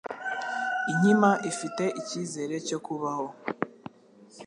Inkima ifite icyizere cyo kubaho